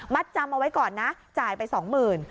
มัดจำเอาไว้ก่อนนะจ่ายไป๒๐๐๐๐บาท